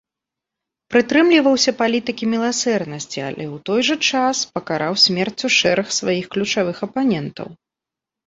Прытрымліваўся палітыкі міласэрнасці, але ў той жа час пакараў смерцю шэраг сваіх ключавых апанентаў.